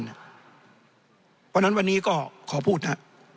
เพราะฉะนั้นวันนี้ก็ขอพูดนะครับ